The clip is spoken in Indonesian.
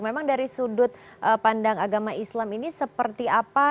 memang dari sudut pandang agama islam ini seperti apa